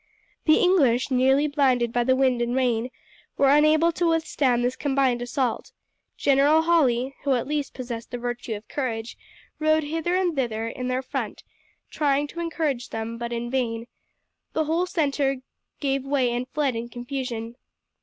The English, nearly blinded by the wind and rain, were unable to withstand this combined assault. General Hawley, who at least possessed the virtue of courage, rode hither and thither in their front, trying to encourage them, but in vain, the whole centre gave way and fled in confusion.